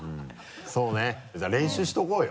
そうねじゃあ練習しておこうよ。